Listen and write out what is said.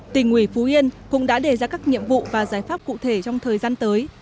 tỉnh ủy phú yên cũng đã đề ra các nhiệm vụ và giải pháp cụ thể trong thời gian tới